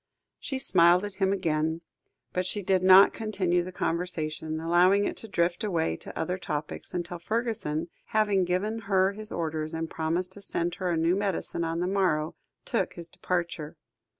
She smiled at him again, but she did not continue the conversation, allowing it to drift away to other topics, until Fergusson, having given her his orders, and promised to send her a new medicine on the morrow, took his departure.